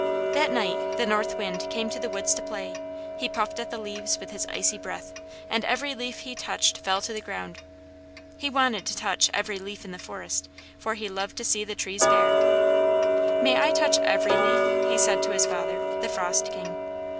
That night the North Wind came to the woods to play. He puffed at the leaves with his icy breath, and every leaf he touched fell to the ground. He wanted to touch every leaf in the forest, for he loved to see the trees bare. "May I touch every leaf?" he said to his father, the Frost King.